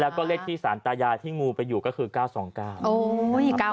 แล้วก็เลขที่สารตายาที่งูไปอยู่ก็คือเก้าสองเก้าโอ้ยเก้ามาอีกแล้ว